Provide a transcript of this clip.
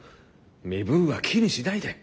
身分は気にしないで。